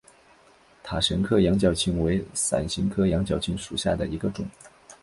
塔什克羊角芹为伞形科羊角芹属下的一个种。